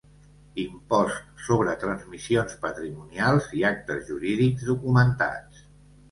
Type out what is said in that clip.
Impost sobre transmissions patrimonials i actes jurídics documentats.